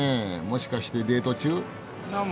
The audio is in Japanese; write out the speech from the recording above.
もしかしてデート中？